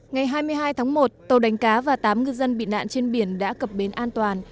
ngày hai mươi hai tháng một tàu đánh cá và tám ngư dân bị nạn trên biển đã cập bến an toàn